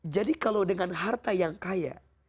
jadi kalau dengan harta yang kaya